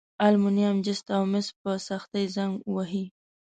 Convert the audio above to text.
المونیم، جست او مس په سختي زنګ وهي.